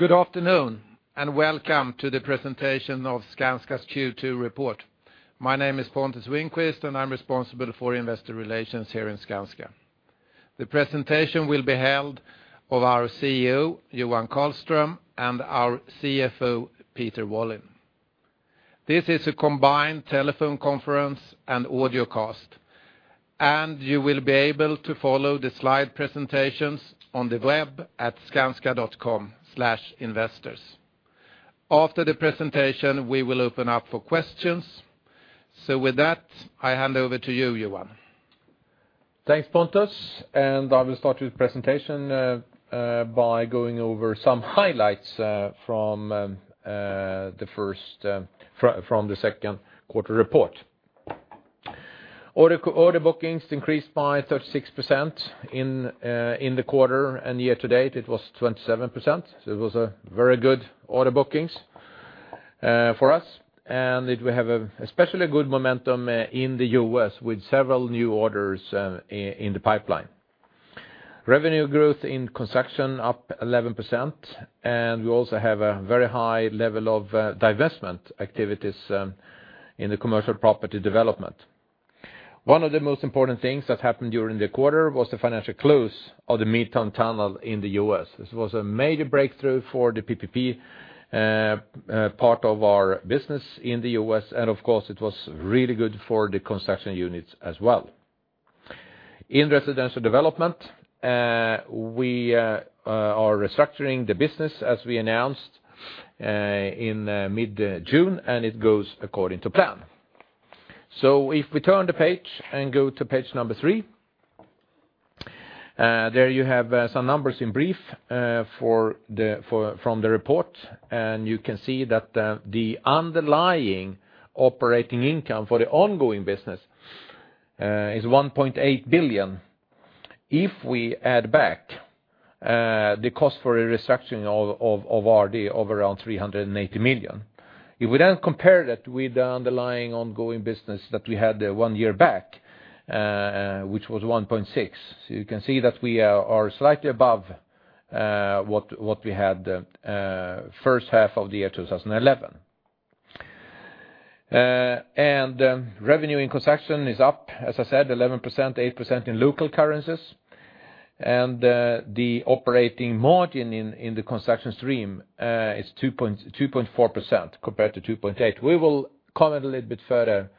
Good afternoon, and Welcome to The Presentation of Skanska's Q2 Report. My name is Pontus Winqvist, and I'm responsible for investor relations here in Skanska. The presentation will be held by our CEO, Johan Karlström, and our CFO, Peter Wallin. This is a combined telephone conference and audio cast, and you will be able to follow the slide presentations on the web at skanska.com/investors. After the presentation, we will open up for questions. So with that, I hand over to you, Johan. Thanks, Pontus, and I will start with the presentation by going over some highlights from the second quarter report. Order bookings increased by 36% in the quarter, and year to date, it was 27%. So it was a very good order bookings for us, and we have especially good momentum in the U.S., with several new orders in the pipeline. Revenue growth in Construction up 11%, and we also have a very high level of divestment activities in the Commercial Property Development. One of the most important things that happened during the quarter was the financial close of the Midtown Tunnel in the U.S. This was a major breakthrough for the PPP, part of our business in the U.S., and of course, it was really good for the Construction units as well. In Residential Development, we are restructuring the business, as we announced, in mid-June, and it goes according to plan. So if we turn the page and go to page number three, there you have some numbers in brief, from the report, and you can see that, the underlying operating income for the ongoing business, is 1.8 billion. If we add back the cost for a restructuring of RD of around 380 million, if we then compare that with the underlying ongoing business that we had one year back, which was 1.6 billion, you can see that we are slightly above what we had first half of the year, 2011. And revenue in Construction is up, as I said, 11%, 8% in local currencies, and the operating margin in the Construction stream is 2.4% compared to 2.8%. We will comment a little bit further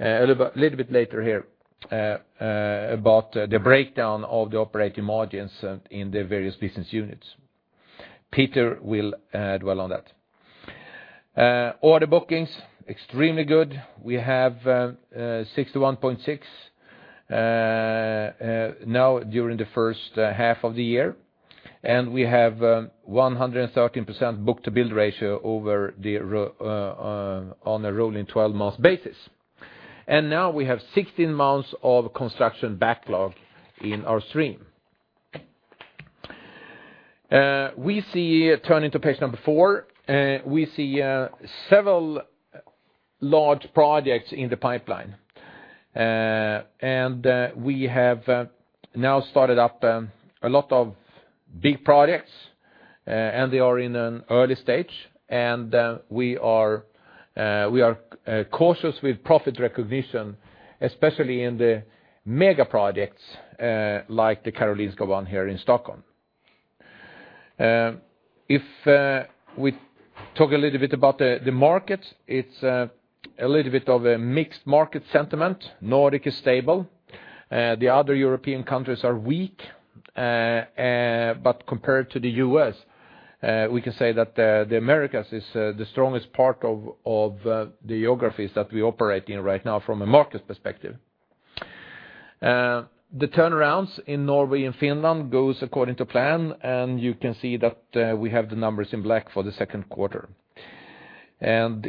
a little bit later here about the breakdown of the operating margins in the various business units. Peter will dwell on that. Order bookings, extremely good. We have 61.6 now during the first half of the year, and we have 113% book-to-bill ratio on a rolling 12-month basis. And now we have 16 months of construction backlog in our stream. We see, turning to page four, we see several large projects in the pipeline, and we have now started up a lot of big projects, and they are in an early stage, and we are cautious with profit recognition, especially in the mega projects, like the Karolinska one here in Stockholm. If we talk a little bit about the market, it's a little bit of a mixed market sentiment. Nordic is stable, the other European countries are weak, but compared to the U.S., we can say that the Americas is the strongest part of the geographies that we operate in right now from a market perspective. The turnarounds in Norway and Finland goes according to plan, and you can see that we have the numbers in black for the second quarter. In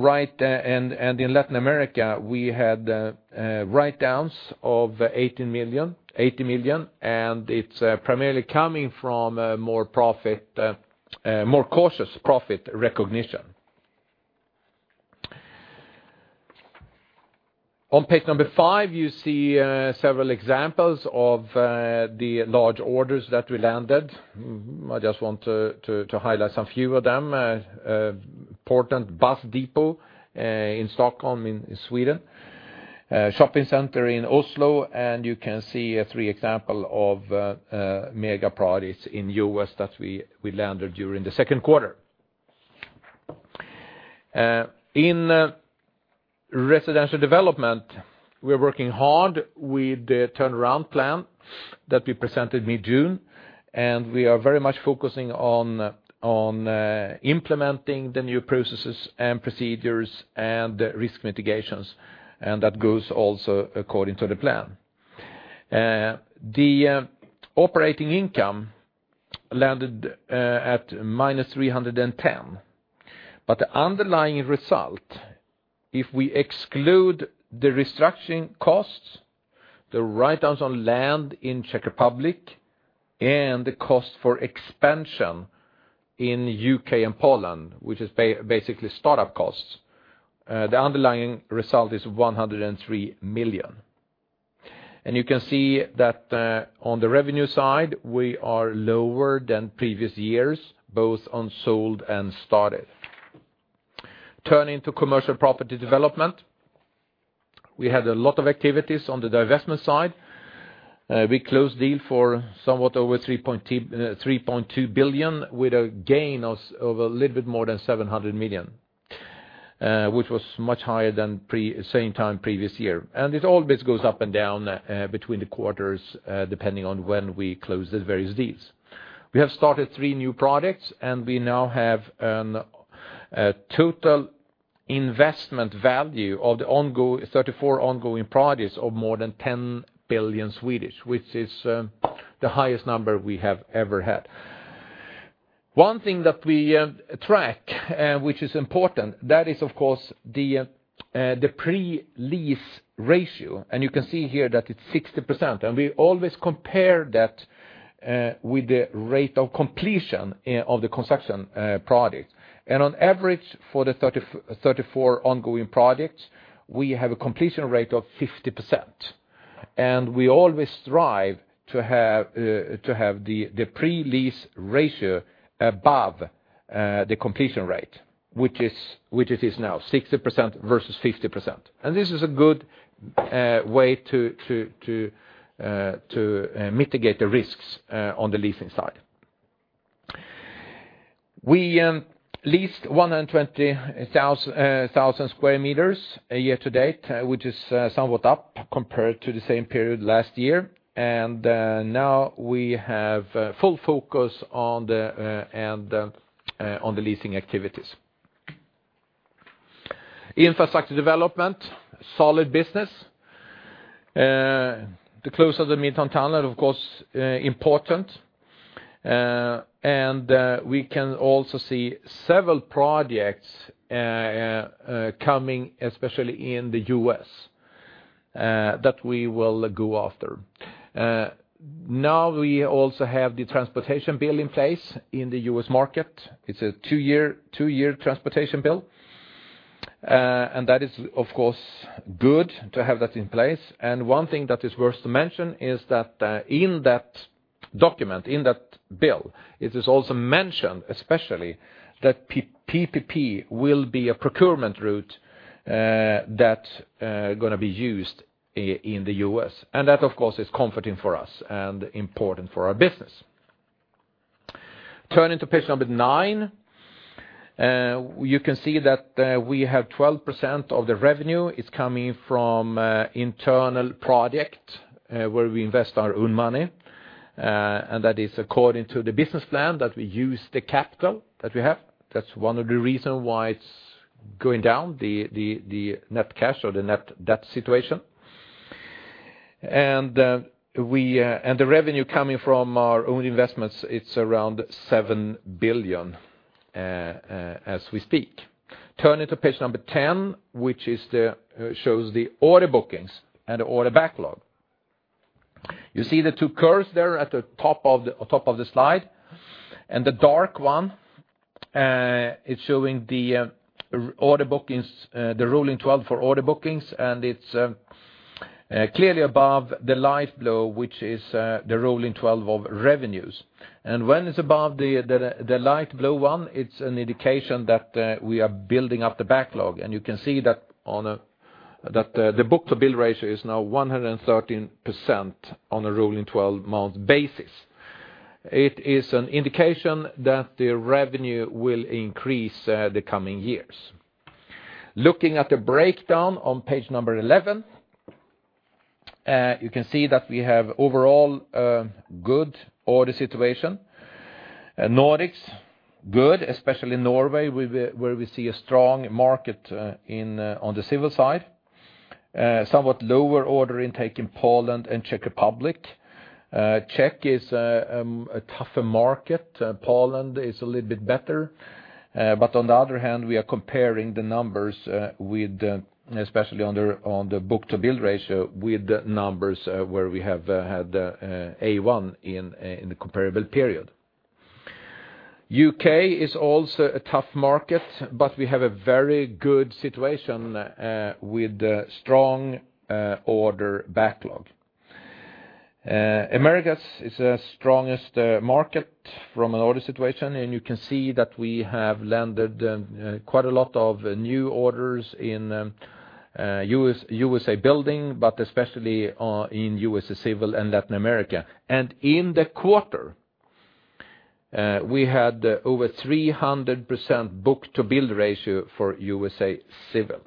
Latin America, we had write-downs of 18 million, 80 million, and it's primarily coming from more cautious profit recognition. On page number five, you see several examples of the large orders that we landed. I just want to highlight some few of them. Important bus depot in Stockholm, in Sweden, shopping center in Oslo, and you can see three examples of mega projects in the U.S. that we landed during the second quarter. In Residential Development, we're working hard with the turnaround plan that we presented mid-June, and we are very much focusing on implementing the new processes and procedures and risk mitigations, and that goes also according to the plan. The operating income landed at -310 million, but the underlying result, if we exclude the restructuring costs, the write-downs on land in Czech Republic, and the cost for expansion in U.K. and Poland, which is basically startup costs, the underlying result is 103 million. You can see that, on the revenue side, we are lower than previous years, both on sold and started. Turning to Commercial Property Development, we had a lot of activities on the divestment side. We closed deal for somewhat over 3.2 billion, with a gain of a little bit more than 700 million, which was much higher than previous same time previous year. And it always goes up and down, between the quarters, depending on when we close the various deals. We have started three new products, and we now have an total investment value of the ongoing, 34 ongoing projects of more than 10 billion, which is the highest number we have ever had. One thing that we track, which is important, that is, of course, the pre-lease ratio, and you can see here that it's 60%, and we always compare that with the rate of completion of the Construction project. On average, for the 34 ongoing projects, we have a completion rate of 50%, and we always strive to have the pre-lease ratio above the completion rate, which it is now, 60% vs 50%. This is a good way to mitigate the risks on the leasing side. We leased 120,000 square meters a year to date, which is somewhat up compared to the same period last year, and now we have full focus on the leasing activities. Infrastructure development, solid business. The close of the Midtown Tunnel, of course, important. And we can also see several projects coming, especially in the U.S., that we will go after. Now we also have the transportation bill in place in the U.S. market. It's a two-year transportation bill, and that is, of course, good to have that in place. One thing that is worth to mention is that, in that document, in that bill, it is also mentioned, especially, that PPP will be a procurement route, that gonna be used in the U.S. And that, of course, is comforting for us and important for our business. Turning to page number nine, you can see that we have 12% of the revenue is coming from internal project, where we invest our own money, and that is according to the business plan, that we use the capital that we have. That's one of the reason why it's going down, the net cash or the net debt situation. And the revenue coming from our own investments, it's around 7 billion, as we speak. Turning to page number 10, which shows the order bookings and order backlog. You see the two curves there at the top of the slide, and the dark one is showing the order bookings, the rolling 12 for order bookings, and it's clearly above the light blue, which is the rolling-12 of revenues. And when it's above the light blue one, it's an indication that we are building up the backlog, and you can see that on a- that the book-to-bill ratio is now 113% on a rolling 12-month basis. It is an indication that the revenue will increase the coming years. Looking at the breakdown on page number 11, you can see that we have overall a good order situation. Nordics, good, especially Norway, where we see a strong market in on the civil side. Somewhat lower order intake in Poland and Czech Republic. Czech is a tougher market. Poland is a little bit better, but on the other hand, we are comparing the numbers with, especially on the book-to-bill ratio, with the numbers where we have had A1 in the comparable period. U.K. is also a tough market, but we have a very good situation with a strong order backlog. Americas is the strongest market from an order situation, and you can see that we have landed quite a lot of new orders in u.s.-USA Building, but especially in USA Civil and Latin America. In the quarter, we had over 300% book-to-bill ratio for USA Civil.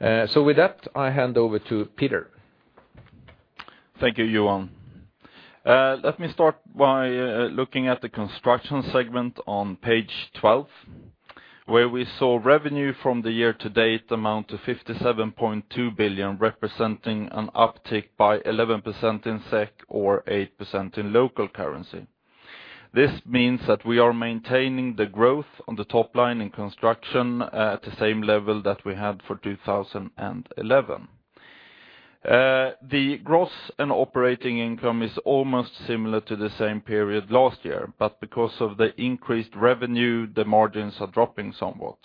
With that, I hand over to Peter. Thank you, Johan. Let me start by looking at the Construction segment on page 12, where we saw revenue from the year to date amount to 57.2 billion, representing an uptick by 11% in SEK or 8% in local currency. This means that we are maintaining the growth on the top line in construction at the same level that we had for 2011. The gross and operating income is almost similar to the same period last year, but because of the increased revenue, the margins are dropping somewhat....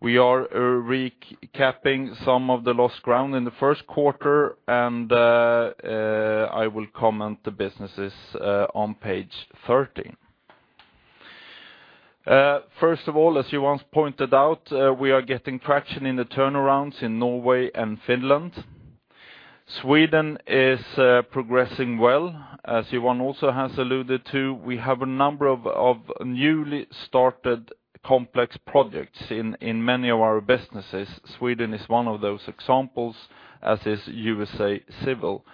We are recapping some of the lost ground in the first quarter, and I will comment the businesses on page 13. First of all, as Johan pointed out, we are getting traction in the turnarounds in Norway and Finland. Sweden is progressing well. As Johan also has alluded to, we have a number of newly started complex projects in many of our businesses. Sweden is one of those examples, as is USA Civil,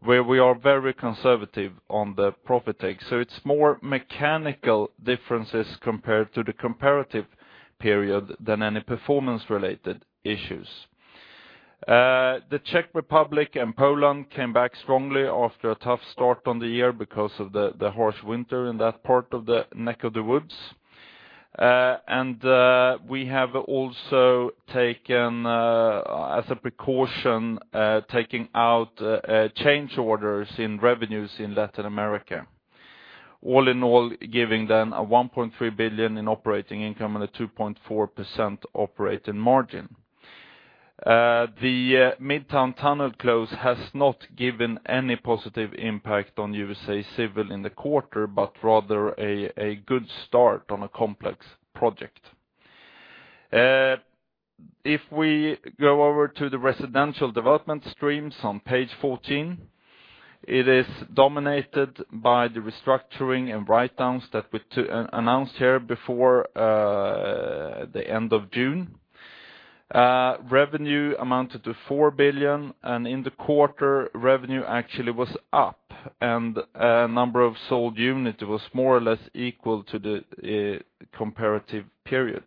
where we are very conservative on the profit take. So it's more mechanical differences compared to the comparative period than any performance-related issues. The Czech Republic and Poland came back strongly after a tough start on the year because of the harsh winter in that part of the neck of the woods. And we have also taken, as a precaution, taking out change orders in revenues in Latin America. All in all, giving them 1.3 billion in operating income and a 2.4% operating margin. The Midtown Tunnel close has not given any positive impact on USA Civil in the quarter, but rather a good start on a complex project. If we go over to the Residential Development streams on page 14, it is dominated by the restructuring and write-downs that we announced here before the end of June. Revenue amounted to 4 billion, and in the quarter, revenue actually was up, and number of sold unit was more or less equal to the comparative period.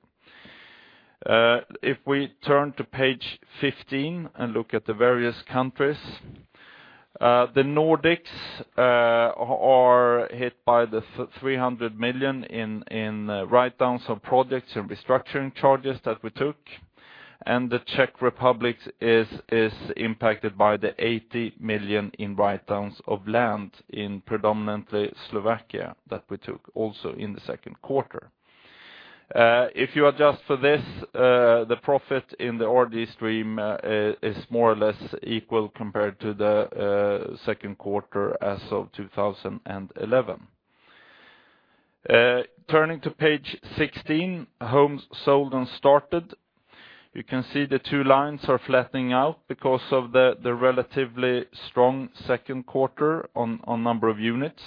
If we turn to page 15 and look at the various countries, the Nordics are hit by the three hundred million in write-downs of projects and restructuring charges that we took. The Czech Republic is impacted by the 80 million in write-downs of land in predominantly Slovakia, that we took also in the second quarter. If you adjust for this, the profit in the RD stream is more or less equal compared to the second quarter as of 2011. Turning to page 16, homes sold and started. You can see the two lines are flattening out because of the relatively strong second quarter on number of units,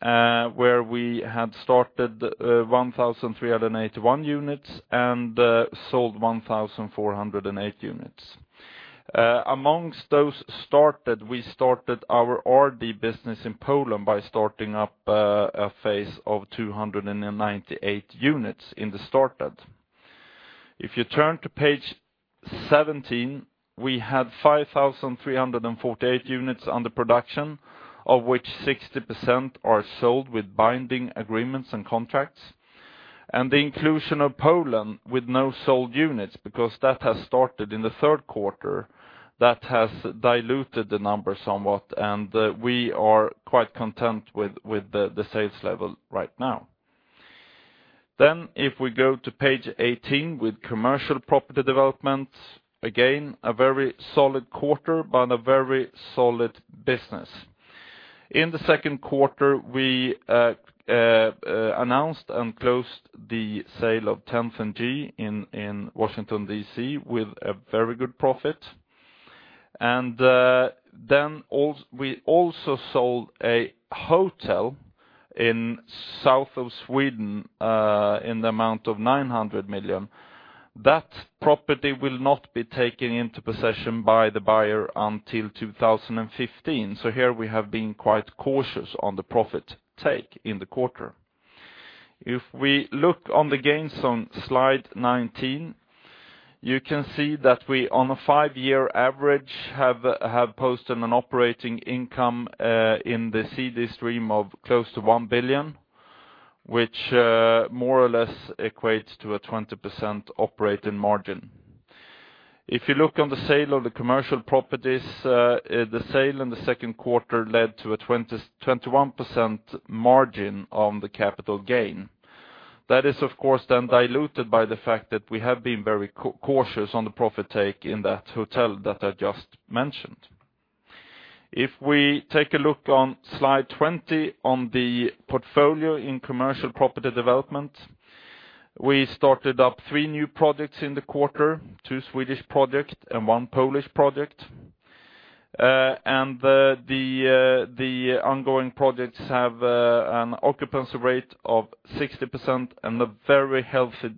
where we had started 1,381 units and sold 1,408 units. Among those started, we started our RD business in Poland by starting up a phase of 298 units in the started. If you turn to page 17, we had 5,348 units under production, of which 60% are sold with binding agreements and contracts. And the inclusion of Poland with no sold units, because that has started in the third quarter, that has diluted the number somewhat, and we are quite content with the sales level right now. Then, if we go to page 18 with Commercial Property Development, again, a very solid quarter, but a very solid business. In the second quarter, we announced and closed the sale of Tenth and G in Washington, D.C., with a very good profit. And then we also sold a hotel in south of Sweden in the amount of 900 million. That property will not be taken into possession by the buyer until 2015. So here we have been quite cautious on the profit take in the quarter. If we look on the gains on slide 19, you can see that we, on a five-year average, have posted an operating income in the CD stream of close to 1 billion, which more or less equates to a 20% operating margin. If you look on the sale of the commercial properties, the sale in the second quarter led to a 20-21% margin on the capital gain. That is, of course, then diluted by the fact that we have been very cautious on the profit take in that hotel that I just mentioned. If we take a look on slide 20, on the portfolio in Commercial Property Development, we started up three new projects in the quarter, two Swedish projects and one Polish project. And the ongoing projects have an occupancy rate of 60% and a very healthy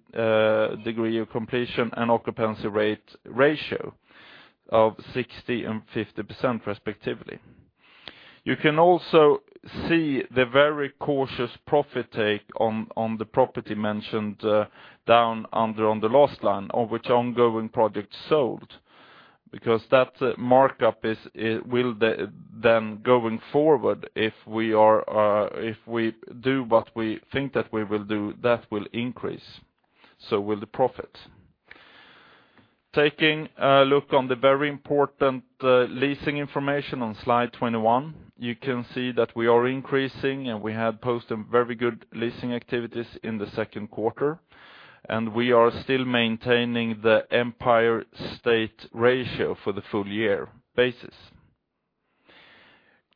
degree of completion and occupancy rate ratio of 60% and 50%, respectively. You can also see the very cautious profit take on the property mentioned down under on the last line, of which ongoing project sold. Because that markup is then going forward, if we do what we think that we will do, that will increase, so will the profit.... Taking a look on the very important leasing information on slide 21, you can see that we are increasing, and we have posted very good leasing activities in the second quarter, and we are still maintaining the empty space ratio for the full year basis.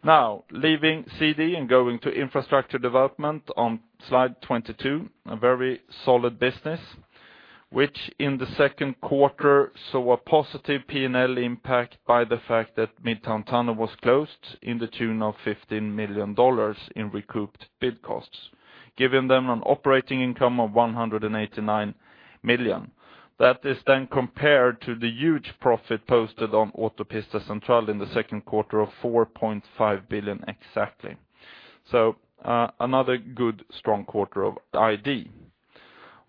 Now, leaving CD and going to infrastructure development on slide 22, a very solid business, which in the second quarter saw a positive P&L impact by the fact that Midtown Tunnel was closed to the tune of $15 million in recouped bid costs, giving them an operating income of 189 million. That is then compared to the huge profit posted on Autopista Central in the second quarter of 4.5 billion exactly. So, another good, strong quarter of ID.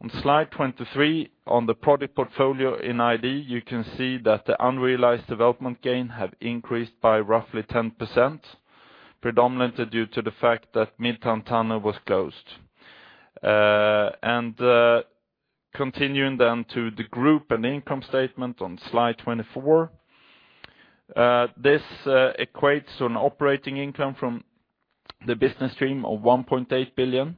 On slide 23, on the product portfolio in ID, you can see that the unrealized development gain have increased by roughly 10%, predominantly due to the fact that Midtown Tunnel was closed. And, continuing then to the group and income statement on slide 24, this equates to an operating income from the business stream of 1.8 billion.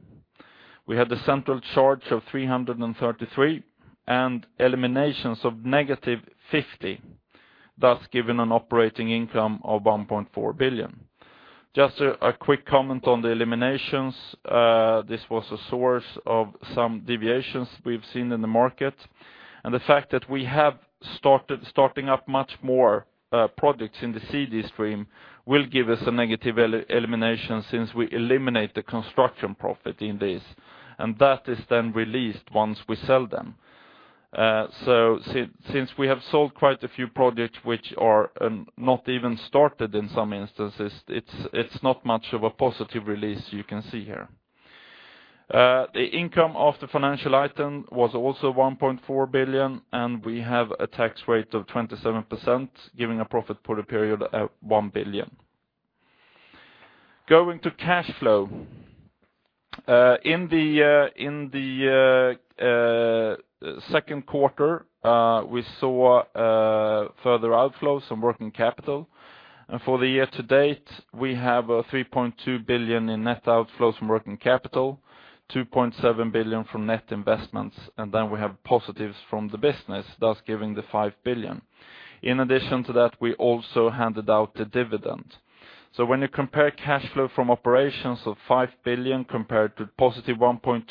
We had the central charge of 333, and eliminations of -50, thus giving an operating income of 1.4 billion. Just a quick comment on the eliminations, this was a source of some deviations we've seen in the market, and the fact that we have starting up much more products in the CD stream, will give us a negative elimination, since we eliminate the Construction profit in this, and that is then released once we sell them. So since we have sold quite a few products which are not even started in some instances, it's not much of a positive release you can see here. The income of the financial item was also 1.4 billion, and we have a tax rate of 27%, giving a profit for the period at 1 billion. Going to cash flow. In the second quarter, we saw further outflows from working capital, and for the year to date, we have 3.2 billion in net outflows from working capital, 2.7 billion from net investments, and then we have positives from the business, thus giving the 5 billion. In addition to that, we also handed out the dividend. So when you compare cash flow from operations of 5 billion compared to +ve 1.2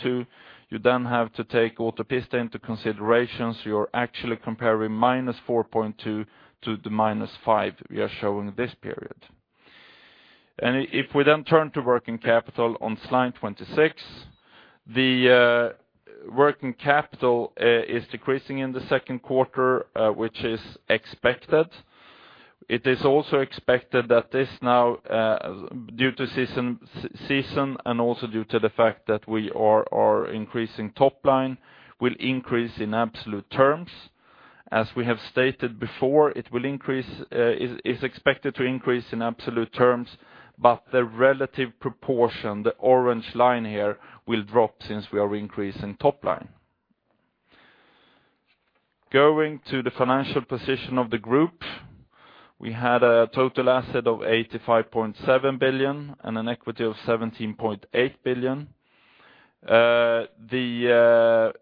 billion, you then have to take Autopista into consideration, so you're actually comparing -4.2 billion to the -5 billion we are showing this period. If we then turn to working capital on slide 26, the working capital is decreasing in the second quarter, which is expected. It is also expected that this now, due to seasonality, and also due to the fact that we are increasing top line, will increase in absolute terms. As we have stated before, it will increase, is expected to increase in absolute terms, but the relative proportion, the orange line here, will drop since we are increasing top line. Going to the financial position of the group, we had a total asset of 85.7 billion and an equity of 17.8 billion. The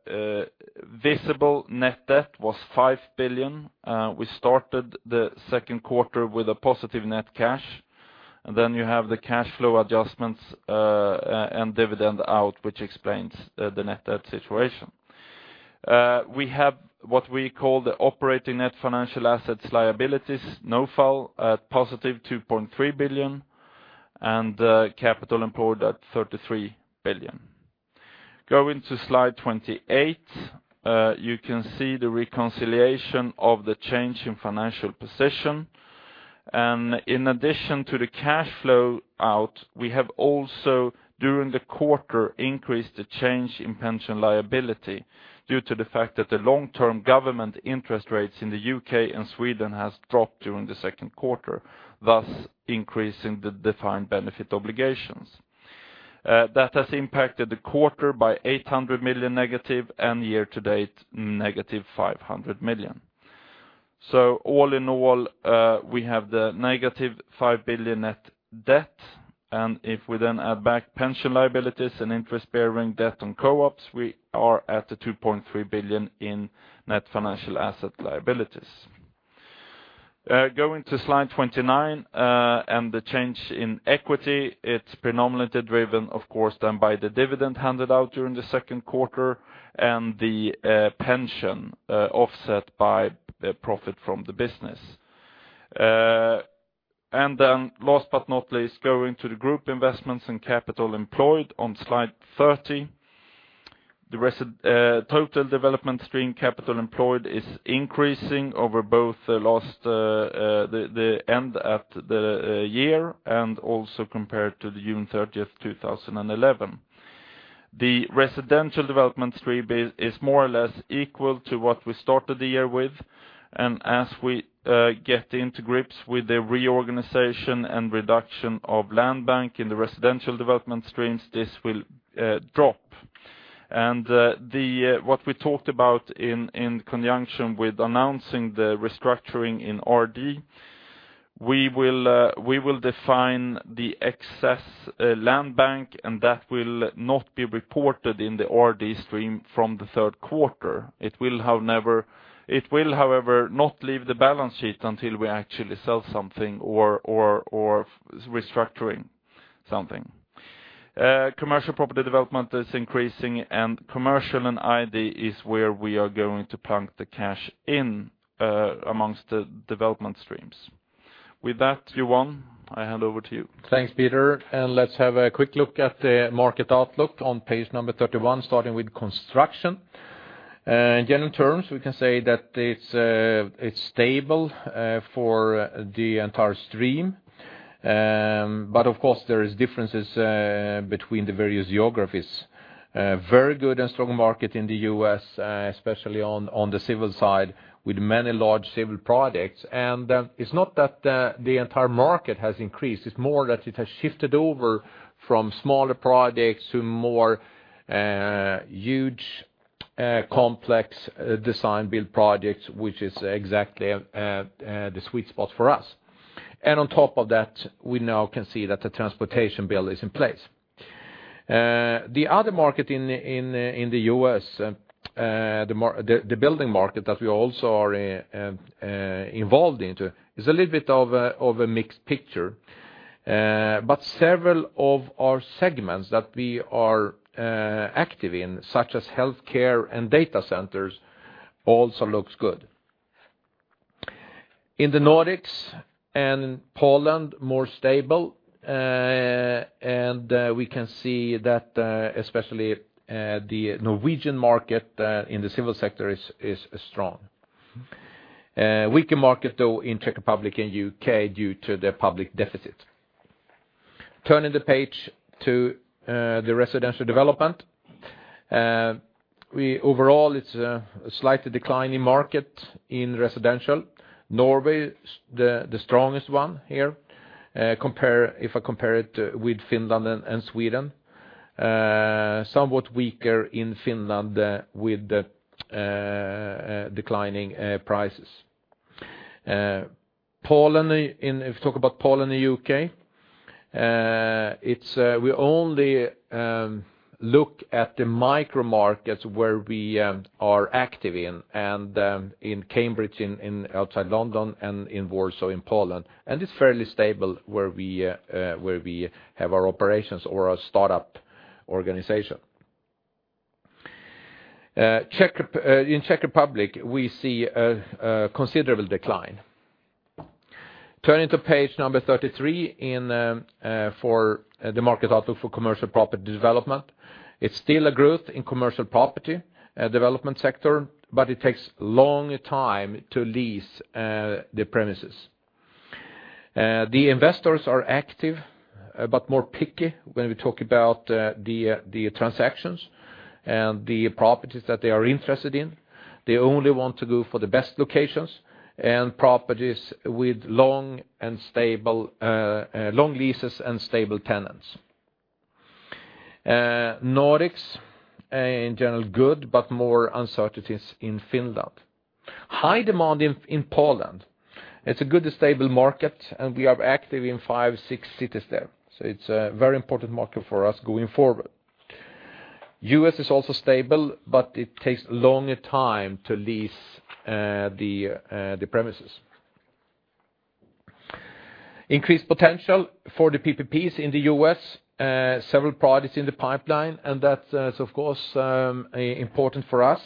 visible net debt was 5 billion. We started the second quarter with a positive net cash, and then you have the cash flow adjustments, and dividend out, which explains the net debt situation. We have what we call the operating net financial assets liabilities, ONFAL, at positive 2.3 billion, and capital employed at 33 billion. Going to slide 28, you can see the reconciliation of the change in financial position. And in addition to the cash flow out, we have also, during the quarter, increased the change in pension liability due to the fact that the long-term government interest rates in the UK and Sweden has dropped during the second quarter, thus increasing the defined benefit obligations. That has impacted the quarter by -ve 800 million, and year to date, -ve 500 million. So all in all, we have the -ve 5 billion net debt, and if we then add back pension liabilities and interest-bearing debt on co-ops, we are at the 2.3 billion in net financial asset liabilities. Going to slide 29, and the change in equity, it's predominantly driven, of course, then by the dividend handed out during the second quarter, and the pension, offset by the profit from the business. And then last but not least, going to the group investments in capital employed on slide 30. The total development stream capital employed is increasing over both the last, the end of the year, and also compared to June 30, 2011. The Residential Development stream is more or less equal to what we started the year with, and as we get into grips with the reorganization and reduction of land bank in the Residential Development streams, this will drop. And what we talked about in conjunction with announcing the restructuring in RD-... We will, we will define the excess land bank, and that will not be reported in the RD stream from the third quarter. It will, however, not leave the balance sheet until we actually sell something or restructuring something. Commercial Property Development is increasing, and commercial and ID is where we are going to pump the cash in, amongst the development streams. With that, Johan, I hand over to you. Thanks, Peter, and let's have a quick look at the market outlook on page number 31, starting with Construction. In general terms, we can say that it's stable for the entire stream. But of course, there is differences between the various geographies. Very good and strong market in the U.S., especially on the civil side, with many large civil projects. And, it's not that the entire market has increased, it's more that it has shifted over from smaller projects to more huge complex design-build projects, which is exactly the sweet spot for us. And on top of that, we now can see that the transportation bill is in place. The other market in the U.S., the building market that we also are involved into is a little bit of a mixed picture. But several of our segments that we are active in, such as healthcare and data centers, also looks good. In the Nordics and Poland, more stable, and we can see that, especially, the Norwegian market in the civil sector is strong. Weaker market, though, in Czech Republic and U.K. due to the public deficit. Turning the page to the Residential Development, we overall, it's a slightly declining market in residential. Norway is the strongest one here, if I compare it with Finland and Sweden. Somewhat weaker in Finland, with declining prices. Poland, if you talk about Poland and U.K., it's we only look at the micro markets where we are active in, in Cambridge, outside London and in Warsaw, in Poland. And it's fairly stable where we have our operations or our start-up organization. Czech Republic, we see a considerable decline. Turning to page number 33, the market outlook for Commercial Property Development. It's still a growth in Commercial Property Development sector, but it takes long time to lease the premises. The investors are active, but more picky when we talk about the transactions and the properties that they are interested in. They only want to go for the best locations and properties with long and stable long leases and stable tenants. Nordics, in general, good, but more uncertainties in Finland. High demand in Poland. It's a good, stable market, and we are active in five, six cities there, so it's a very important market for us going forward. U.S. is also stable, but it takes longer time to lease the premises. Increased potential for the PPPs in the U.S., several projects in the pipeline, and that is, of course, important for us.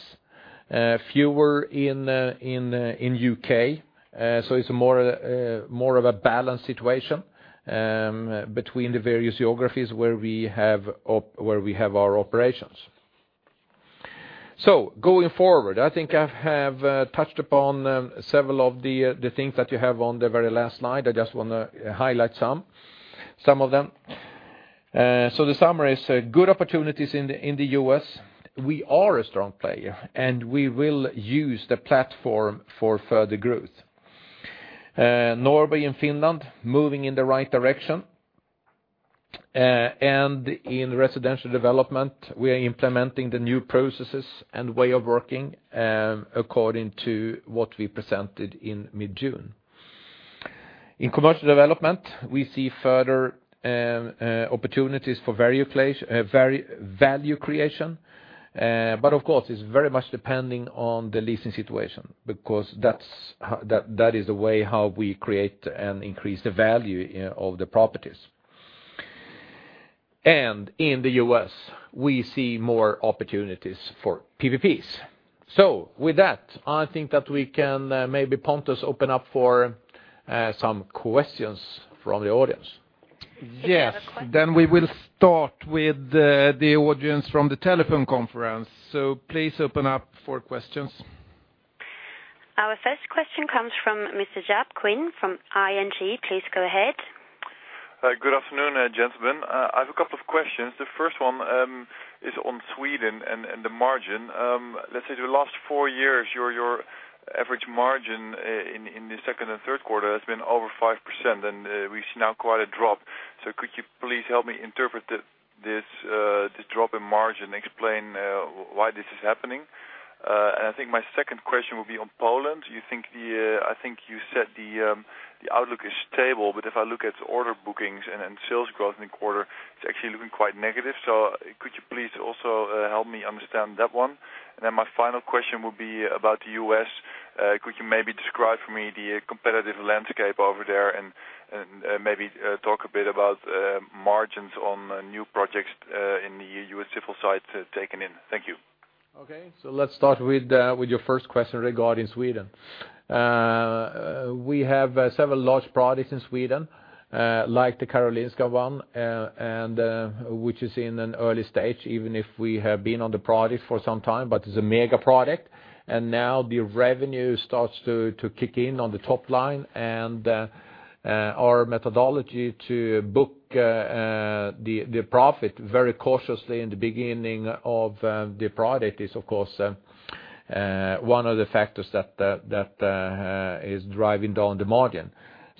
Fewer in U.K., so it's more of a balanced situation between the various geographies where we have our operations. So going forward, I think I have touched upon several of the things that you have on the very last slide. I just want to highlight some of them. So the summary is good opportunities in the U.S. We are a strong player, and we will use the platform for further growth. Norway and Finland, moving in the right direction. And in Residential Development, we are implementing the new processes and way of working according to what we presented in mid-June. In commercial development, we see further opportunities for value creation. But of course, it's very much depending on the leasing situation, because that's how that is the way how we create and increase the value of the properties. And in the U.S., we see more opportunities for PPPs. So with that, I think that we can maybe, Pontus, open up for some questions from the audience. Yes, then we will start with the audience from the telephone conference. So please open up for questions. Our first question comes from Mr. Jaap Kuin from ING. Please go ahead. Good afternoon, gentlemen. I have a couple of questions. The first one is on Sweden and the margin. Let's say the last four years, your average margin in the second and third quarter has been over 5%, and we see now quite a drop. So could you please help me interpret this drop in margin, explain why this is happening? And I think my second question would be on Poland. Do you think the—I think you said the outlook is stable, but if I look at order bookings and sales growth in the quarter, it's actually looking quite negative. So could you please also help me understand that one? And then my final question would be about the U.S. Could you maybe describe for me the competitive landscape over there, and maybe talk a bit about margins on new projects in the US Civil side taken in? Thank you. Okay. So let's start with your first question regarding Sweden. We have several large projects in Sweden, like the Karolinska one, and which is in an early stage, even if we have been on the project for some time, but it's a mega product. And now the revenue starts to kick in on the top line, and our methodology to book the profit very cautiously in the beginning of the product is, of course, one of the factors that is driving down the margin.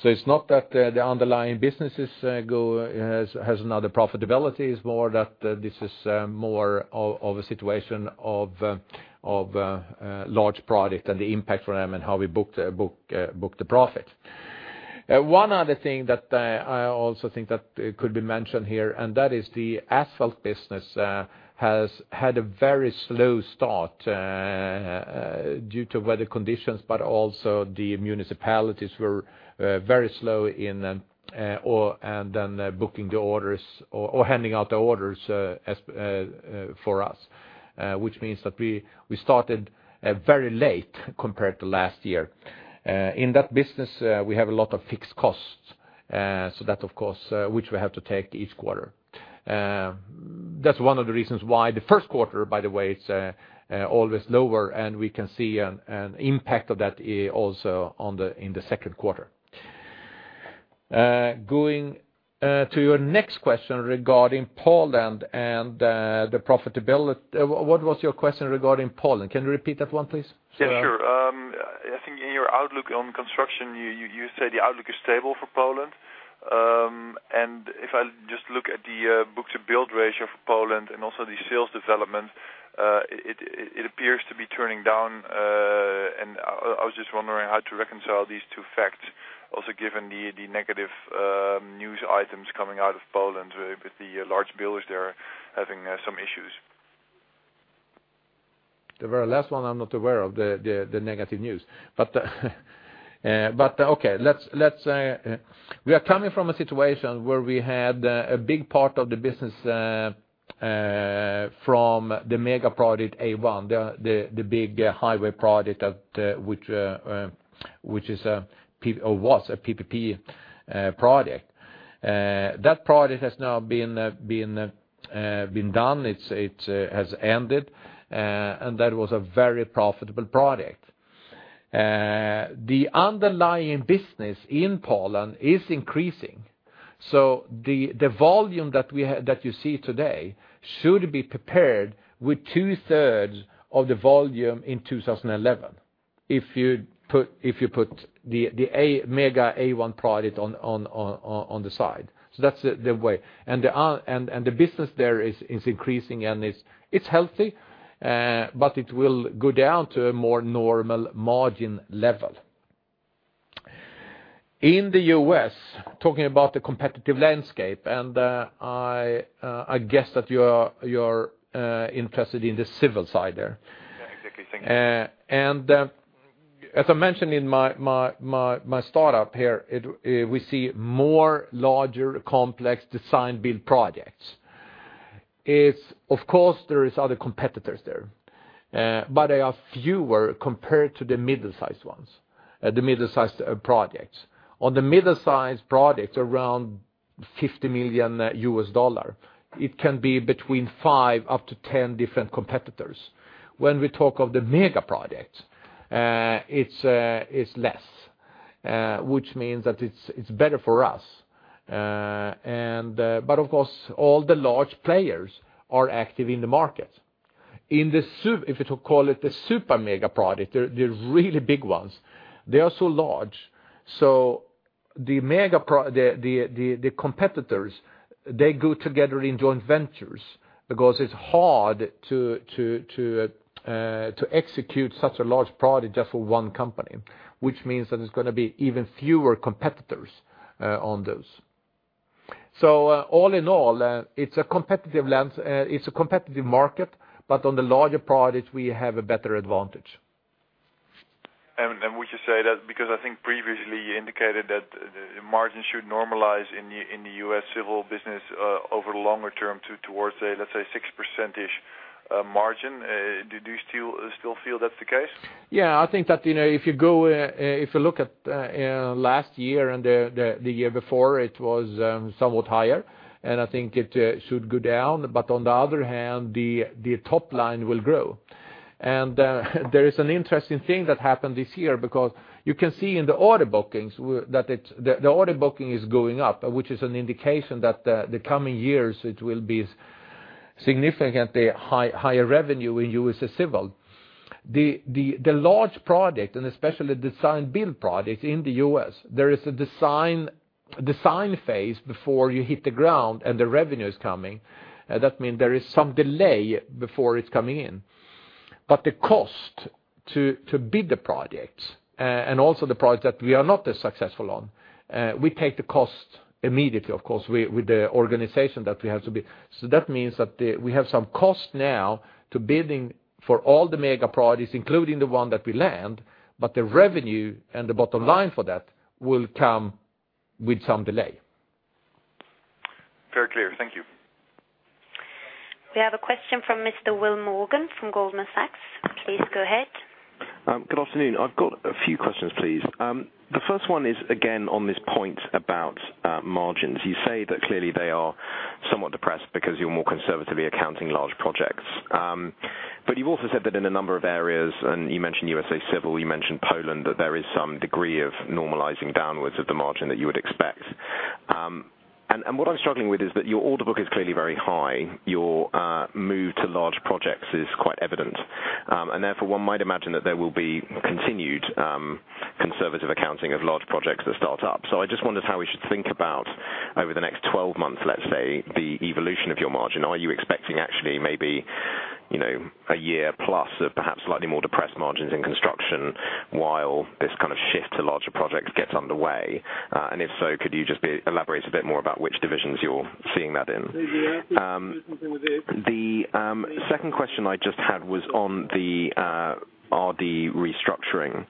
So it's not that the underlying businesses has another profitability. It's more that this is more of a situation of large product and the impact for them and how we book the profit. One other thing that I also think could be mentioned here, and that is the asphalt business has had a very slow start due to weather conditions, but also the municipalities were very slow in booking the orders or handing out the orders as for us, which means that we started very late compared to last year. In that business, we have a lot of fixed costs, so that, of course, which we have to take each quarter. That's one of the reasons why the first quarter, by the way, it's always lower, and we can see an impact of that also in the second quarter. Going to your next question regarding Poland and the profitability. What was your question regarding Poland? Can you repeat that one, please? Yeah, sure. I think in your outlook on Construction, you say the outlook is stable for Poland. And if I just look at the book-to-bill ratio for Poland and also the sales development, it appears to be turning down, and I was just wondering how to reconcile these two facts. Also, given the negative news items coming out of Poland, with the large builders there having some issues. The very last one, I'm not aware of the negative news. But okay, let's... We are coming from a situation where we had a big part of the business from the mega project A1, the big highway project of which is or was a PPP project. That project has now been done. It has ended, and that was a very profitable project. The underlying business in Poland is increasing, so the volume that you see today should be prepared with 2/3rds of the volume in 2011, if you put the mega A1 project on the side. So that's the way. The business there is increasing, and it's healthy, but it will go down to a more normal margin level. In the U.S., talking about the competitive landscape, and I guess that you're interested in the civil side there. Yeah, exactly. Thank you. As I mentioned in my start-up here, we see more larger, complex design build projects. It's. Of course, there is other competitors there, but they are fewer compared to the middle-sized ones, the middle-sized projects. On the middle-sized projects, around $50 million, it can be between five up to 10 different competitors. When we talk of the mega projects, it's less, which means that it's better for us. But of course, all the large players are active in the market. In the sup- if you to call it the super mega projects, the really big ones, they are so large. So the mega projects, the competitors, they go together in joint ventures because it's hard to execute such a large project just for one company, which means that there's gonna be even fewer competitors on those. So, all in all, it's a competitive market, but on the larger projects, we have a better advantage. Would you say that... Because I think previously you indicated that the margins should normalize in the US civil business over the longer term to towards, let's say, 6% margin. Do you still feel that's the case? Yeah, I think that, you know, if you go, if you look at, last year and the, the, the year before, it was, somewhat higher, and I think it, should go down. But on the other hand, the, the top line will grow. And, there is an interesting thing that happened this year because you can see in the order bookings that it's, the, the order booking is going up, which is an indication that, the coming years it will be significantly higher revenue in US Civil. The, the, the large project, and especially the design-build projects in the U.S., there is a design phase before you hit the ground, and the revenue is coming, that means there is some delay before it's coming in. But the cost to bid the projects, and also the projects that we are not as successful on, we take the cost immediately, of course, with the organization that we have to be. So that means that we have some cost now to bidding for all the mega projects, including the one that we land, but the revenue and the bottom line for that will come with some delay. Very clear. Thank you. We have a question from Mr. Will Morgan from Goldman Sachs. Please go ahead. Good afternoon. I've got a few questions, please. The first one is, again, on this point about margins. You say that clearly they are somewhat depressed because you're more conservatively accounting large projects. But you've also said that in a number of areas, and you mentioned USA Civil, you mentioned Poland, that there is some degree of normalizing downwards of the margin that you would expect. And what I'm struggling with is that your order book is clearly very high. Your move to large projects is quite evident. And therefore, one might imagine that there will be continued conservative accounting of large projects that start up. So I just wondered how we should think about over the next 12 months, let's say, the evolution of your margin. Are you expecting actually, maybe, you know, a year plus of perhaps slightly more depressed margins in Construction while this kind of shift to larger projects gets underway? And if so, could you just elaborate a bit more about which divisions you're seeing that in? The second question I just had was on the RD restructuring,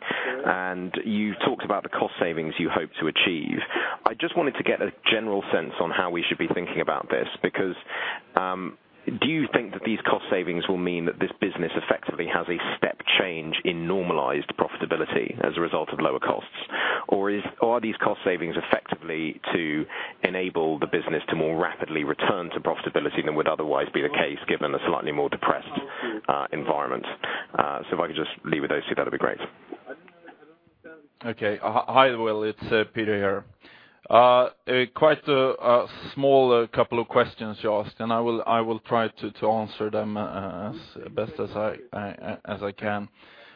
and you've talked about the cost savings you hope to achieve. I just wanted to get a general sense on how we should be thinking about this, because do you think that these cost savings will mean that this business effectively has a step change in normalized profitability as a result of lower costs? Or is--are these cost savings effectively to enable the business to more rapidly return to profitability than would otherwise be the case, given a slightly more depressed environment? If I could just leave with those two, that'd be great. Okay. Hi, Will, it's Peter here. Quite a couple of small questions you asked, and I will try to answer them as best as I can.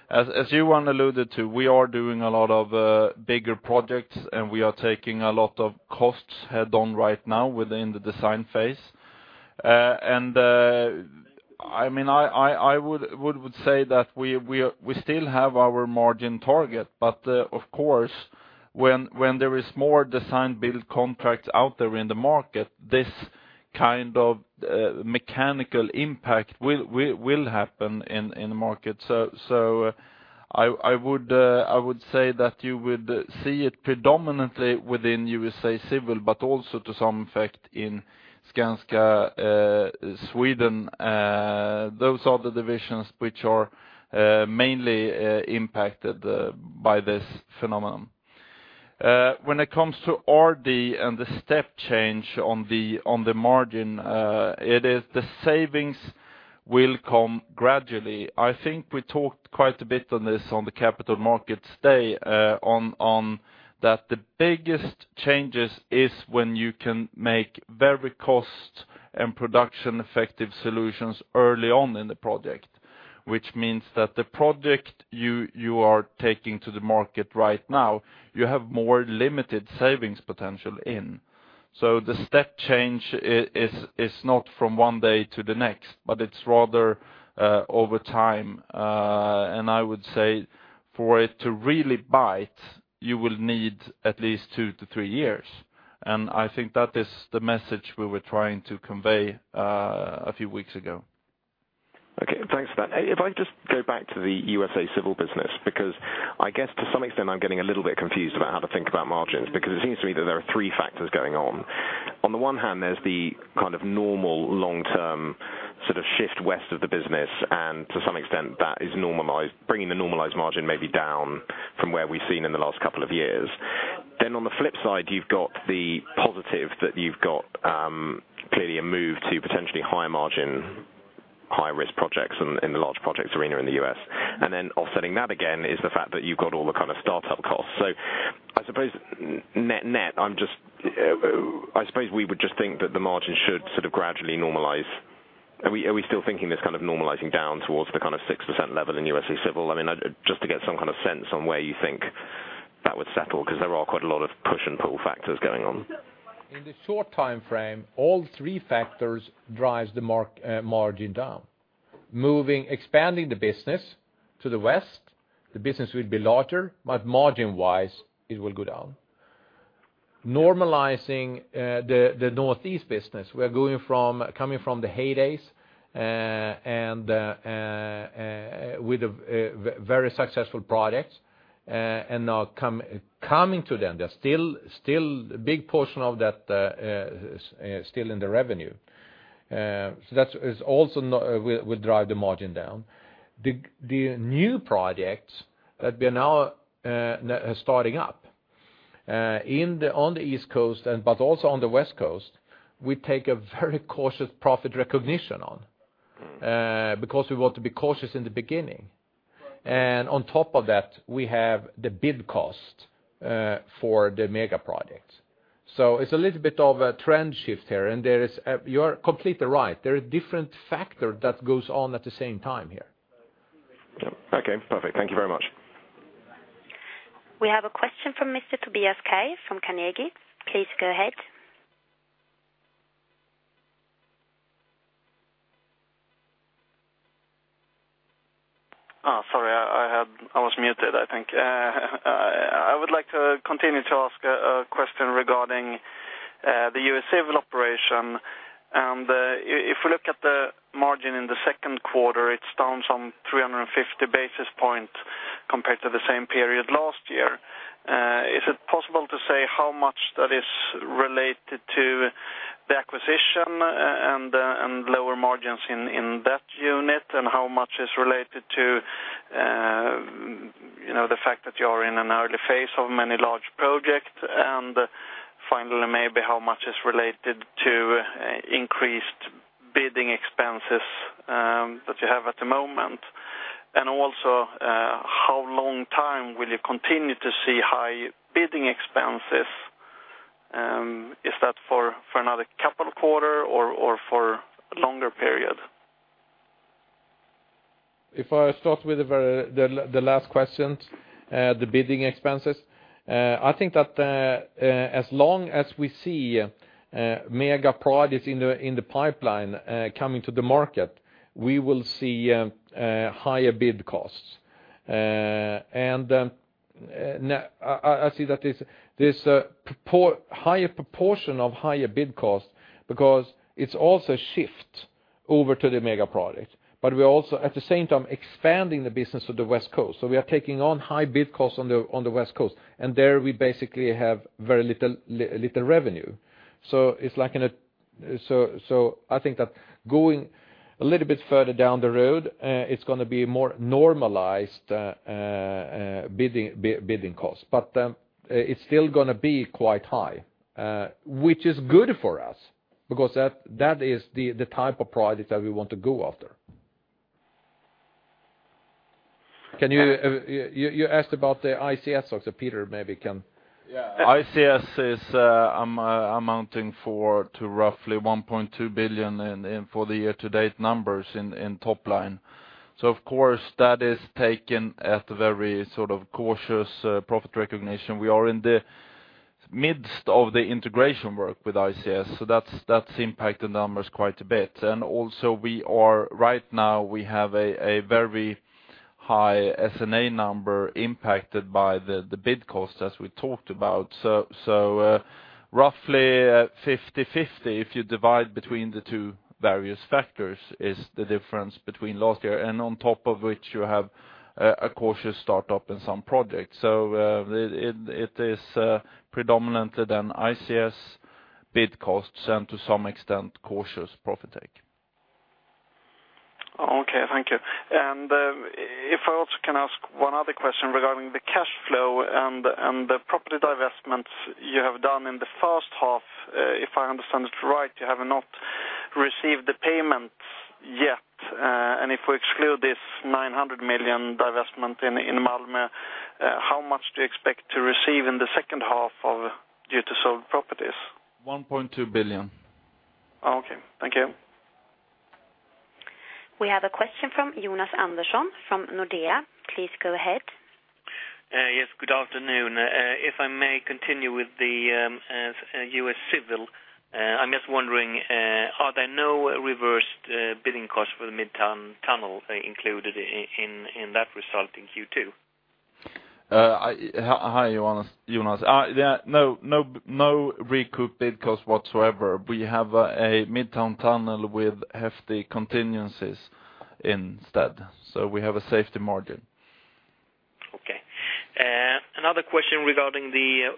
As you alluded to, we are doing a lot of bigger projects, and we are taking a lot of costs head on right now within the design phase. I mean, I would say that we still have our margin target, but of course, when there is more design-build contracts out there in the market, this kind of mechanical impact will happen in the market. So I would say that you would see it predominantly within USA Civil, but also to some effect in Skanska Sweden. Those are the divisions which are mainly impacted by this phenomenon. When it comes to RD and the step change on the margin, it is the savings will come gradually. I think we talked quite a bit on this on the Capital Markets Day on that the biggest changes is when you can make very cost and production-effective solutions early on in the project, which means that the project you are taking to the market right now you have more limited savings potential in. So the step change is not from one day to the next, but it's rather over time. I would say for it to really bite, you will need at least two or three years, and I think that is the message we were trying to convey, a few weeks ago. Okay, thanks for that. If I just go back to the USA Civil business, because I guess to some extent, I'm getting a little bit confused about how to think about margins, because it seems to me that there are three factors going on. On the one hand, there's the kind of normal long-term sort of shift west of the business, and to some extent, that is normalized, bringing the normalized margin maybe down from where we've seen in the last couple of years. Then on the flip side, you've got the positive, that you've got, clearly a move to potentially higher margin, high risk projects in, in the large projects arena in the U.S. And then offsetting that again, is the fact that you've got all the kind of start-up costs. So I suppose net-net, I'm just... I suppose we would just think that the margin should sort of gradually normalize. Are we still thinking this kind of normalizing down towards the kind of 6% level in USA Civil? I mean, just to get some kind of sense on where you think that would settle, because there are quite a lot of push and pull factors going on. In the short time frame, all three factors drive the margin down. When expanding the business to the west, the business will be larger, but margin-wise, it will go down. Normalizing the northeast business, we are coming from the heydays with very successful products, and now coming to them, there's still a big portion of that still in the revenue. So that is also will drive the margin down. The new projects that we are now starting up on the East Coast, and but also on the West Coast, we take a very cautious profit recognition on, because we want to be cautious in the beginning. And on top of that, we have the bid cost for the mega projects. So it's a little bit of a trend shift here, and there is... You're completely right. There are different factor that goes on at the same time here.... Okay, perfect. Thank you very much. We have a question from Mr. Tobias Kaj from Carnegie. Please go ahead. Oh, sorry, I had—I was muted, I think. I would like to continue to ask a question regarding the U.S. civil operation. And if we look at the margin in the second quarter, it's down some 350 basis points compared to the same period last year. Is it possible to say how much that is related to the acquisition and lower margins in that unit? And how much is related to, you know, the fact that you are in an early phase of many large projects? And finally, maybe how much is related to increased bidding expenses that you have at the moment? And also, how long time will you continue to see high bidding expenses? Is that for another couple quarter or for a longer period? If I start with the very last question, the bidding expenses. I think that, as long as we see mega projects in the pipeline coming to the market, we will see higher bid costs. And I see that this higher proportion of higher bid costs because it's also shift over to the mega projects. But we're also, at the same time, expanding the business of the West Coast, so we are taking on high bid costs on the West Coast, and there we basically have very little little revenue. So it's like in a... So I think that going a little bit further down the road, it's gonna be more normalized bidding costs. But, it's still gonna be quite high, which is good for us because that is the type of projects that we want to go after. Can you, you asked about the ICS, so Peter maybe can- Yeah. ICS is amounting to roughly 1.2 billion in the year-to-date numbers in top line. So of course, that is taken at a very sort of cautious profit recognition. We are in the midst of the integration work with ICS, so that's impacted numbers quite a bit. Also, we are right now, we have a very high SG&A number impacted by the bid cost, as we talked about. So roughly 50/50, if you divide between the two various factors, is the difference between last year and on top of which you have a cautious start-up in some projects. So it is predominantly then ICS bid costs and to some extent, cautious profit take. Okay, thank you. If I also can ask one other question regarding the cash flow and the property divestments you have done in the first half, if I understand it right, you have not received the payments yet. And if we exclude this 900 million divestment in Malmö, how much do you expect to receive in the second half due to sold properties? 1.2 billion. Okay, thank you. We have a question from Jonas Andersson from Nordea. Please go ahead. Yes, good afternoon. If I may continue with the US civil, I'm just wondering, are there no reversed bidding costs for the Midtown Tunnel included in that result in Q2? Hi, Jonas. Jonas, yeah, no, no, no recoup bid costs whatsoever. We have a Midtown Tunnel with hefty contingencies instead, so we have a safety margin. Okay. Another question regarding the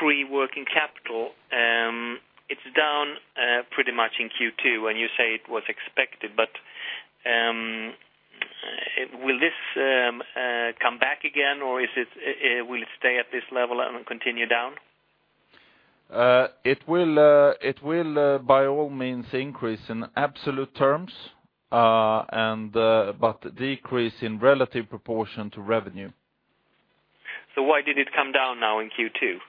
free working capital. It's down pretty much in Q2, and you say it was expected, but will this come back again, or is it will it stay at this level and continue down? It will, by all means, increase in absolute terms, and but decrease in relative proportion to revenue. Why did it come down now in Q2?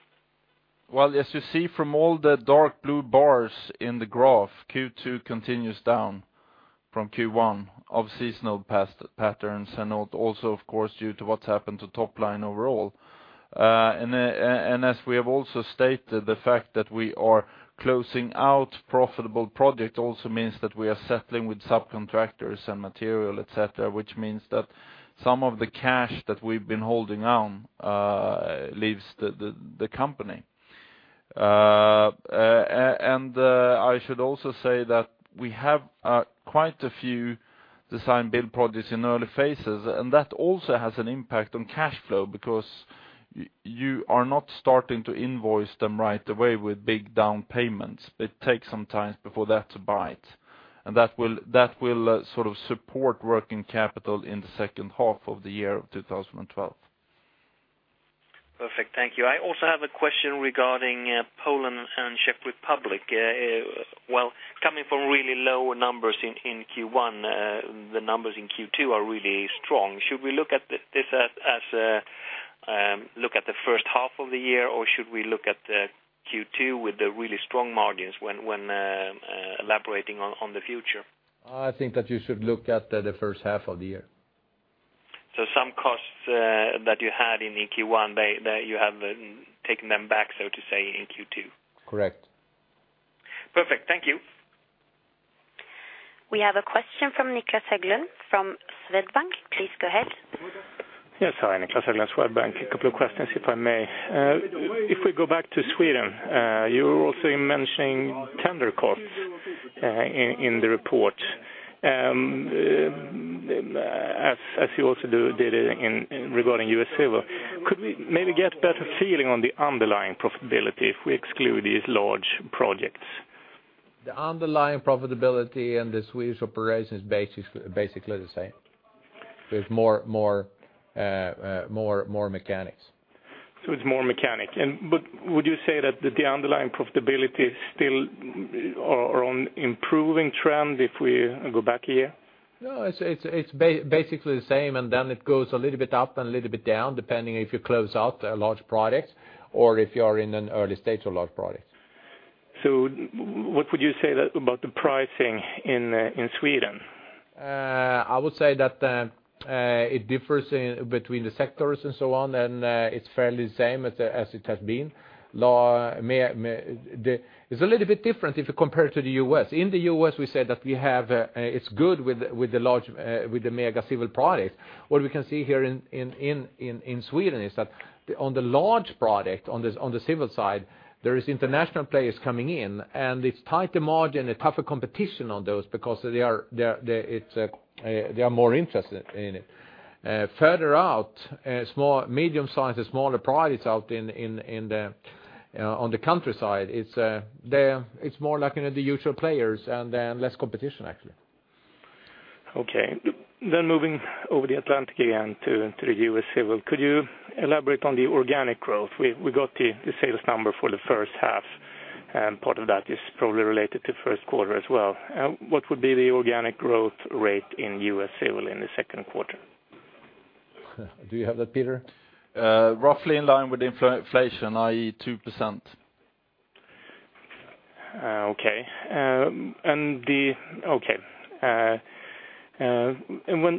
Well, as you see from all the dark blue bars in the graph, Q2 continues down from Q1 of seasonal past patterns, and also, of course, due to what's happened to top line overall. And as we have also stated, the fact that we are closing out profitable project also means that we are settling with subcontractors and material, et cetera, which means that some of the cash that we've been holding on leaves the company. And I should also say that we have quite a few design-build projects in early phases, and that also has an impact on cash flow, because you are not starting to invoice them right away with big down payments. It takes some time before that bites, and that will sort of support working capital in the second half of the year of 2012. Perfect. Thank you. I also have a question regarding Poland and Czech Republic. Well, coming from really low numbers in Q1, the numbers in Q2 are really strong. Should we look at this as... look at the first half of the year, or should we look at the Q2 with the really strong margins when elaborating on the future? I think that you should look at the first half of the year. Some costs that you had in Q1, you have taken them back, so to say, in Q2? Correct. Perfect. Thank you. We have a question from Niclas Höglund from Swedbank. Please go ahead. Yes. Hi, Niclas Höglund, Swedbank. A couple of questions, if I may. If we go back to Sweden, you were also mentioning tender costs in the report. As you also did it in regarding US Civil. Could we maybe get a better feeling on the underlying profitability if we exclude these large projects? The underlying profitability in the Swedish operation is basically the same. There's more mechanics. So it's more mechanical. But would you say that the underlying profitability is still or on improving trend if we go back a year? No, it's basically the same, and then it goes a little bit up and a little bit down, depending if you close out a large product or if you are in an early stage of large products. So what would you say that about the pricing in, in Sweden? I would say that it differs in between the sectors and so on, and it's fairly the same as it has been. It's a little bit different if you compare it to the U.S. In the U.S., we said that we have it's good with the large with the mega civil products. What we can see here in Sweden is that on the large product on the civil side there is international players coming in, and it's tighter margin, a tougher competition on those because they are more interested in it. Further out small, medium-sized and smaller products out in the countryside it's more like you know the usual players and then less competition, actually. Okay. Then moving over the Atlantic again to, to the US Civil, could you elaborate on the organic growth? We, we got the, the sales number for the first half, and part of that is probably related to first quarter as well. What would be the organic growth rate in US Civil in the second quarter? Do you have that, Peter? Roughly in line with inflation, i.e., 2%. Okay. And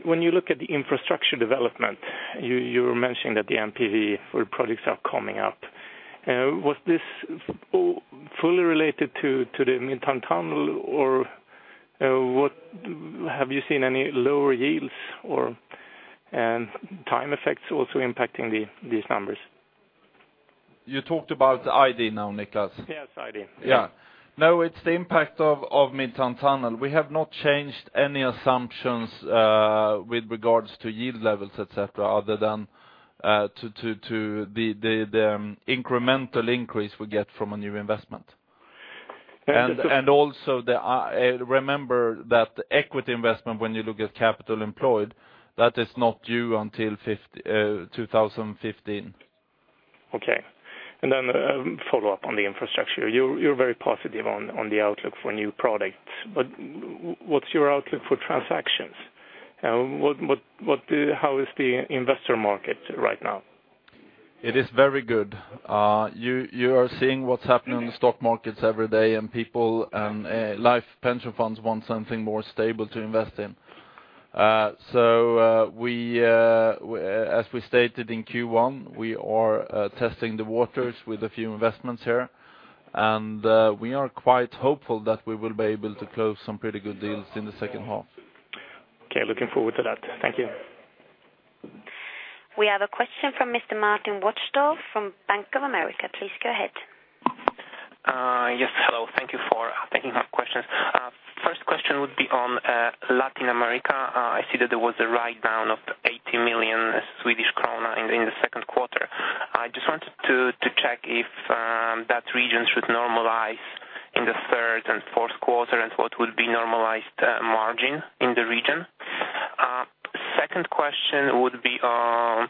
when you look at the infrastructure development, you were mentioning that the NPV for projects are coming up. Was this fully related to the Midtown Tunnel, or have you seen any lower yields or time effects also impacting these numbers? You talked about ID now, Niclas? Yes, ID. Yeah. No, it's the impact of Midtown Tunnel. We have not changed any assumptions with regards to yield levels, et cetera, other than to the incremental increase we get from a new investment. And- Also, remember that the equity investment, when you look at capital employed, that is not due until 2015. Okay. And then, follow up on the infrastructure. You're very positive on the outlook for new products, but what's your outlook for transactions? How is the investor market right now? It is very good. You are seeing what's happening in the stock markets every day, and people, life pension funds want something more stable to invest in. So, as we stated in Q1, we are testing the waters with a few investments here, and we are quite hopeful that we will be able to close some pretty good deals in the second half. Okay, looking forward to that. Thank you. We have a question from Mr. Marcin Wojtal from Bank of America. Please go ahead. Yes, hello. Thank you for taking our questions. First question would be on Latin America. I see that there was a write-down of 80 million Swedish krona in the second quarter. I just wanted to check if that region should normalize in the third and fourth quarter, and what would be the normalized margin in the region? Second question would be on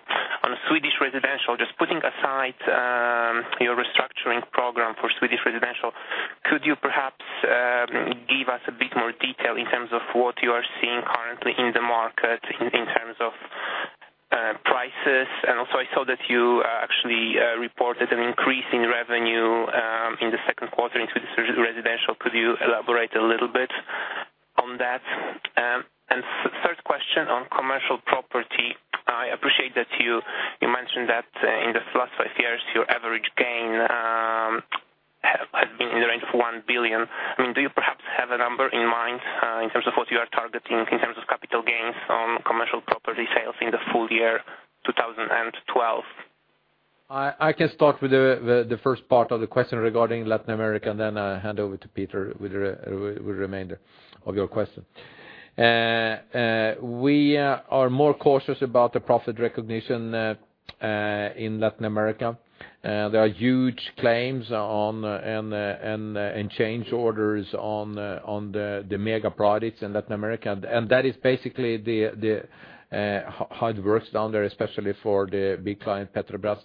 Swedish residential. Just putting aside your restructuring program for Swedish residential, could you perhaps give us a bit more detail in terms of what you are seeing currently in the market, in terms of prices? And also, I saw that you actually reported an increase in revenue in the second quarter in the residential. Could you elaborate a little bit on that? And third question on commercial property. I appreciate that you mentioned that in the last five years, your average gain has been in the range of 1 billion. I mean, do you perhaps have a number in mind in terms of what you are targeting, in terms of capital gains on commercial property sales in the full year 2012? I can start with the first part of the question regarding Latin America, and then hand over to Peter with the remainder of your question. We are more cautious about the profit recognition in Latin America. There are huge claims on and change orders on the mega products in Latin America, and that is basically how it works down there, especially for the big client, Petrobras.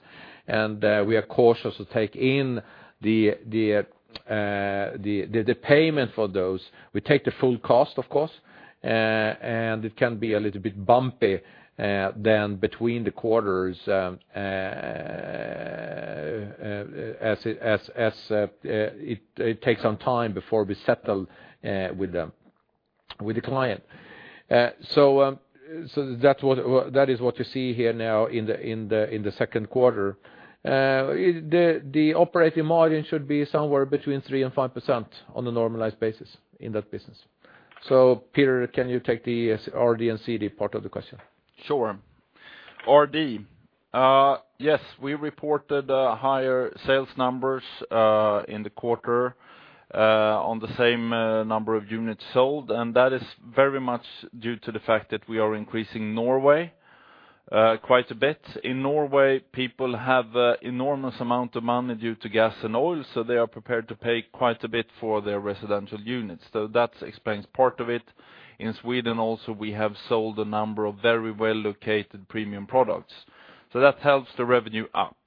We are cautious to take in the payment for those. We take the full cost, of course, and it can be a little bit bumpy than between the quarters, as it takes some time before we settle with the client. So, that is what you see here now in the second quarter. The operating margin should be somewhere between 3%-5% on a normalized basis in that business. So Peter, can you take the RD and CD part of the question? Sure. RD, yes, we reported higher sales numbers in the quarter on the same number of units sold, and that is very much due to the fact that we are increasing Norway quite a bit. In Norway, people have enormous amount of money due to gas and oil, so they are prepared to pay quite a bit for their residential units. So that explains part of it. In Sweden also, we have sold a number of very well-located premium products, so that helps the revenue up.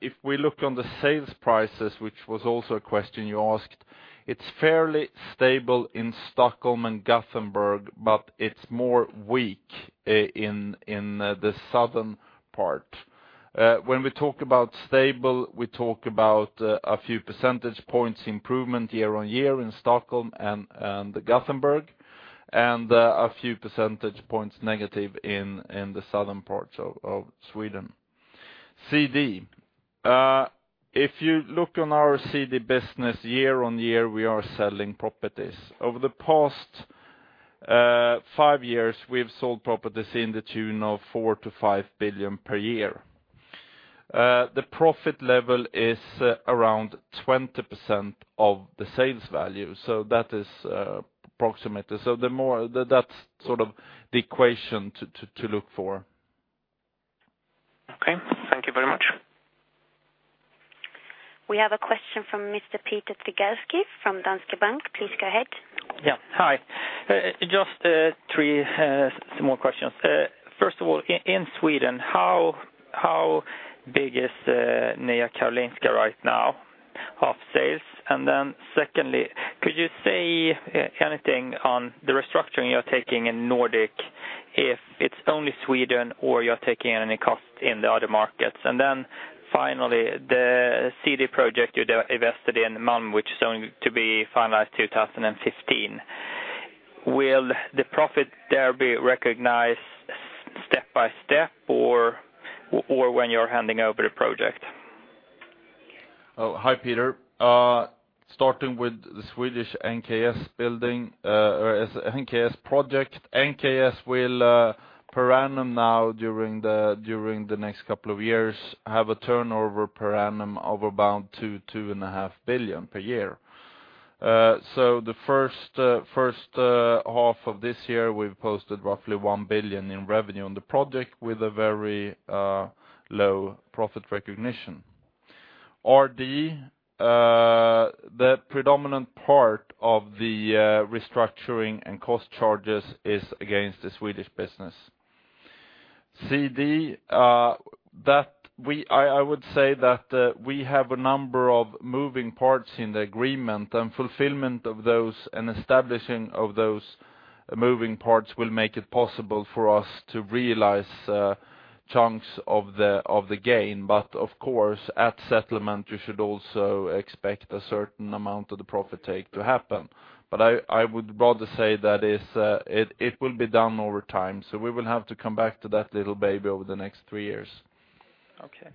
If we look on the sales prices, which was also a question you asked, it's fairly stable in Stockholm and Gothenburg, but it's more weak in the southern part. When we talk about stable, we talk about a few percentage points improvement year-on-year in Stockholm and Gothenburg, and a few percentage points negative in the southern parts of Sweden. CD, if you look on our CD business year-on-year, we are selling properties. Over the past five years, we've sold properties in the tune of 4-5 billion per year. The profit level is around 20% of the sales value, so that is approximately. That, that's sort of the equation to look for. Okay. Thank you very much. We have a question from Mr. Peter Trigarszky from Danske Bank. Please go ahead. Yeah. Hi. Just three small questions. First of all, in Sweden, how big is Nya Karolinska right now, of sales? And then secondly, could you say anything on the restructuring you're taking in Nordic, if it's only Sweden or you're taking any cost in the other markets? And then finally, the CD project you divested in, Malmö, which is going to be finalized 2015, will the profit there be recognized step by step or when you're handing over the project? Oh, hi, Peter. Starting with the Swedish NKS building, or NKS project, NKS will, per annum now, during the next couple of years, have a turnover per annum of about 2-2.5 billion per year. So the first half of this year, we've posted roughly 1 billion in revenue on the project with a very low profit recognition. RD, the predominant part of the restructuring and cost charges is against the Swedish business. CD, that we... I would say that we have a number of moving parts in the agreement, and fulfillment of those and establishing of those moving parts will make it possible for us to realize chunks of the gain. But of course, at settlement, you should also expect a certain amount of the profit take to happen. But I would rather say that is, it will be done over time, so we will have to come back to that little baby over the next three years. Okay.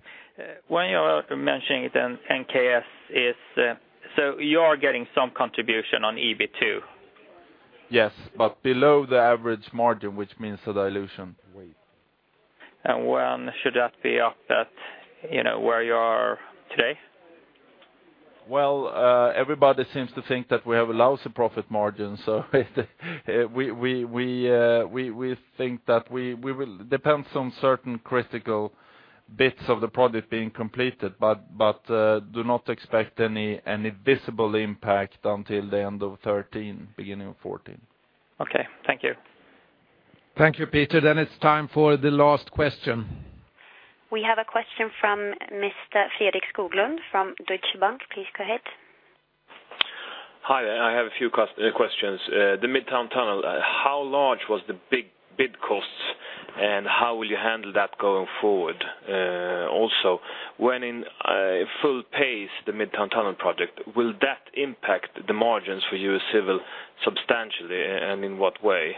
When you're mentioning it, then, NKS is, so you are getting some contribution on EBIT? Yes, but below the average margin, which means a dilution. When should that be up at, you know, where you are today? Well, everybody seems to think that we have a lousy profit margin, so we think that we will—depends on certain critical bits of the project being completed, but do not expect any visible impact until the end of 2013, beginning of 2014. Okay. Thank you. Thank you, Peter. Then it's time for the last question. We have a question from Mr. Fredrik Skoglund from Deutsche Bank. Please go ahead. Hi, I have a few questions. The Midtown Tunnel, how large was the big costs, and how will you handle that going forward? Also, when in full pace, the Midtown Tunnel project, will that impact the margins for US Civil substantially, and in what way?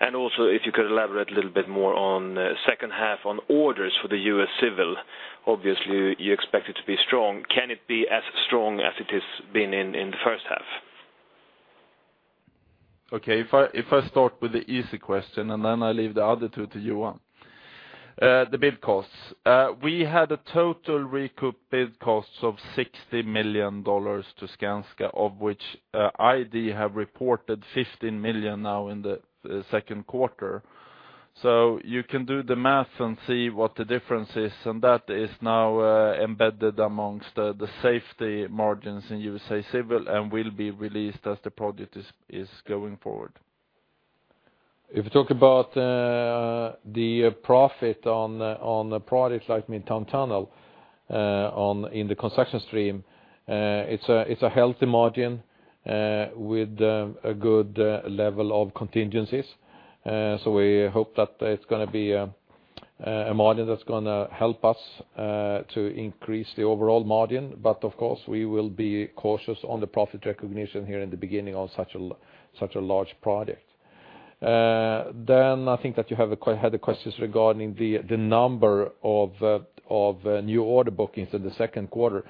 And also, if you could elaborate a little bit more on second half on orders for the US Civil, obviously, you expect it to be strong. Can it be as strong as it has been in the first half? Okay, if I start with the easy question, and then I leave the other two to Johan. The bid costs. We had a total recouped bid costs of $60 million to Skanska, of which ID have reported $15 million now in the second quarter. So you can do the math and see what the difference is, and that is now embedded amongst the safety margins in USA Civil and will be released as the project is going forward. If you talk about the profit on a project like Midtown Tunnel in the Construction stream, it's a healthy margin with a good level of contingencies. So we hope that it's gonna be a margin that's gonna help us to increase the overall margin. But of course, we will be cautious on the profit recognition here in the beginning of such a large project. Then I think that you had the questions regarding the number of new order bookings in the second quarter.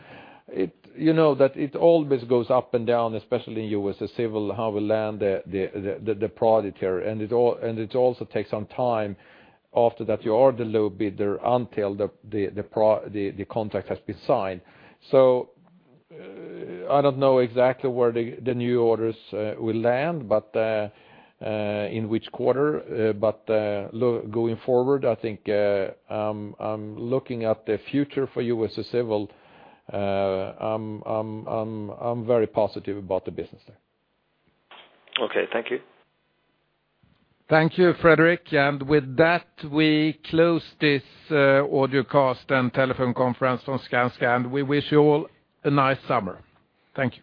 You know that it always goes up and down, especially in USA Civil, how we land the project here, and it also takes some time after that you are the low bidder until the contract has been signed. So I don't know exactly where the new orders will land, but in which quarter, but going forward, I think, I'm looking at the future for USA Civil, I'm very positive about the business there. Okay. Thank you. Thank you, Fredrik. And with that, we close this audio cast and telephone conference on Skanska, and we wish you all a nice summer. Thank you.